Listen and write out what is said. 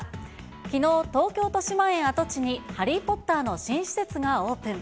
きのう、東京・としまえん跡地にハリー・ポッターの新施設がオープン。